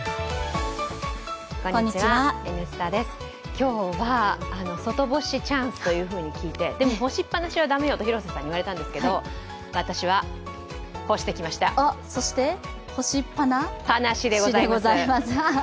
今日は外干しチャンスというふうに聞いて、でも干しっぱなしは駄目よと広瀬さんに言われたんですけどそしてぱなしでございます！